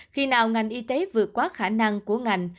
khi nào ngành y tế vượt quá khả năng của ngành